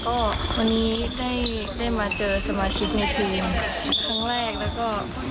ครั้งแรกแล้วก็